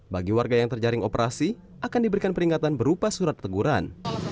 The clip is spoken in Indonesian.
bagi warga yang terjaring operasi akan diberikan peringatan berupa surat teguran